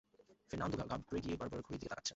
Fernando ঘাবড়ে গিয়ে বারবার ঘড়ির দিকে তাকাচ্ছেন।